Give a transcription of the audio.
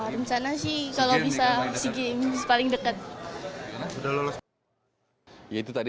rencana sih kalau bisa sea games paling dekat